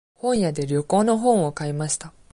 本屋で旅行の本を買いました。